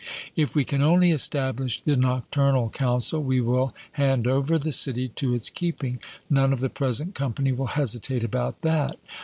If we can only establish the Nocturnal Council, we will hand over the city to its keeping; none of the present company will hesitate about that.